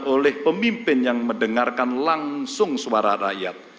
oleh pemimpin yang mendengarkan langsung suara rakyat